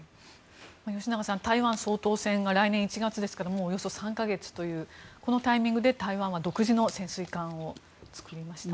吉永さん、台湾総統選が来年１月ですからもうおよそ３か月というこのタイミングで台湾は独自の潜水艦を造りました。